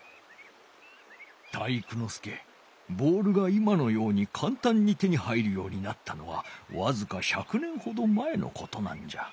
体育ノ介ボールが今のようにかんたんに手に入るようになったのはわずか１００年ほど前のことなんじゃ。